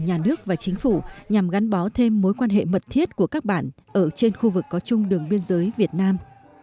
nhà nước và chính phủ nhằm gắn bó thêm mối quan hệ mật thiết của các bạn ở trên khu vực có chung đường biên giới việt nam